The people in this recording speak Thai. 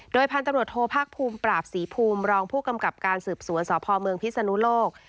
พันธุ์ตำรวจโทภาคภูมิปราบศรีภูมิรองผู้กำกับการสืบสวนสพเมืองพิศนุโลก